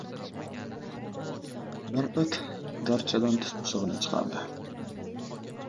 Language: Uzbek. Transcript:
Bir it darichadan tumshug‘ini chiqardi.